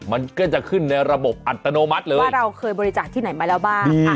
มันก็จะขึ้นในระบบอัตโนมัติเลยว่าเราเคยบริจาคที่ไหนมาแล้วบ้าง